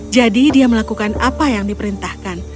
jadi dia melakukan apa yang diperintahkan